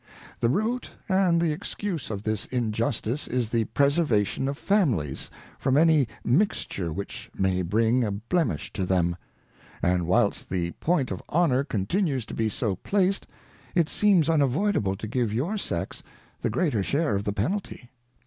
The Root and the Excuse of this In jusFice is the Freservation of Families from any Mixture which may bring a Blemish to them : And whilst the Point of Honour continues to be so plac'd, it seems unavoidable' to give your Sex, the greater share of the Penalty.